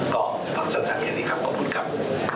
ต้องรอวันสุดท้ายแค่นี้ครับผมคุณครับ